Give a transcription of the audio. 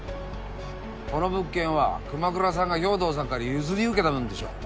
この物件は熊倉さんが豹堂さんから譲り受けたもんでしょう。